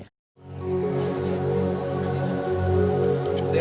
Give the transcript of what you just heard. kehidupan mereka di jakarta kemudian di indonesia